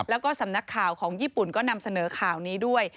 แล้วก็สำนักข่าวของญี่ปุ่นก็นำเสนอข่าวนี้ด้วย